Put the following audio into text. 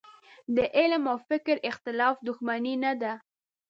د علم او فکر اختلاف دوښمني نه ده.